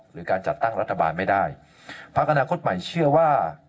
หรือการจัดตั้งรัฐบาลไม่ได้พักอนาคตใหม่เชื่อว่า